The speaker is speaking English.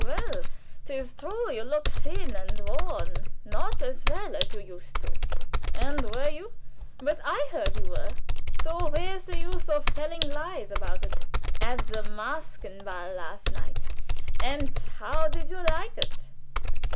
Well, 'tis true you look thin and worn not as well as you used to. And were you but I heard you were, so where's the use of telling lies about it at the Maskenball last night? And how did you like it?"